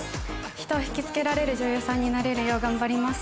人を引きつけられる女優さんになれるよう頑張ります